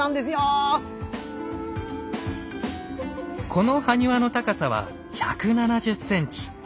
この埴輪の高さは１７０ｃｍ。